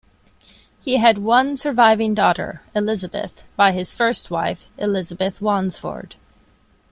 He had one surviving daughter, Elizabeth, by his first wife, Elizabeth Wandesford.